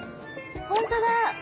本当だ。